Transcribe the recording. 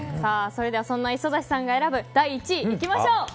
そんな磯崎さんが選ぶ第１位、いきましょう。